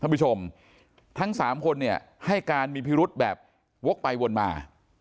ผู้ชมทั้งสามคนเนี่ยให้การมีพิรุษแบบวกไปวนมา